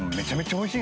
おいしい。